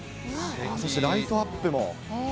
そしてライトアップも。